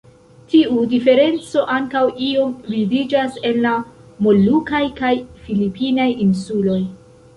Tiu diferenco ankaŭ iom vidiĝas en la molukaj kaj filipinaj insuloj.